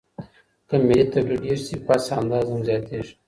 که ملي توليد ډېر سي پس انداز هم زياتيږي.